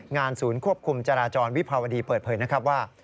งานศูนย์ควบคุมจราจรวิภาวดีเปิดเผยนะครับว่า